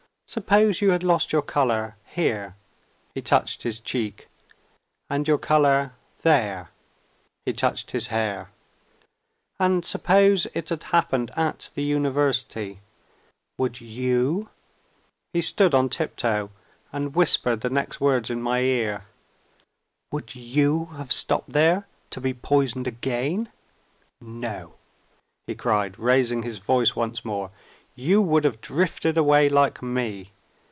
"Suppose you had lost your color here" (he touched his cheek), "and your color there" (he touched his hair); "and suppose it had happened at the University would you" (he stood on tip toe, and whispered the next words in my ear) "would you have stopped there, to be poisoned again? No!" he cried, raising his voice once more, "you would have drifted away like me.